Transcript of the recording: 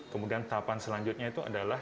kemudian tahapan selanjutnya itu adalah